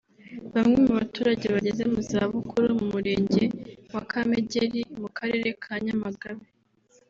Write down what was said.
Bamwe mu baturage bageze mu zabukuru mu Murenge wa Kamegeri mu Karere ka Nyamagabe